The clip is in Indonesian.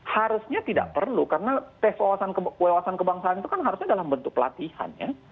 harusnya tidak perlu karena tes wawasan kebangsaan itu kan harusnya dalam bentuk pelatihan ya